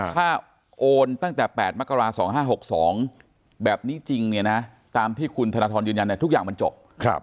ถ้าโอนตั้งแต่๘มกราศ๒๕๖๒แบบนี้จริงเนี่ยนะตามที่คุณธนทรยืนยันทุกอย่างมันจบ